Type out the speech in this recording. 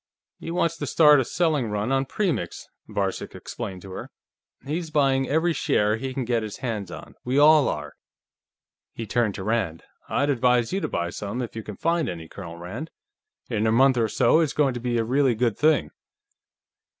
He wants to start a selling run on Premix," Varcek explained to her. "He's buying every share he can get his hands on. We all are." He turned to Rand. "I'd advise you to buy some, if you can find any, Colonel Rand. In a month or so, it's going to be a really good thing."